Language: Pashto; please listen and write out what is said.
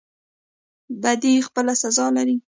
بدی خپل سزا لري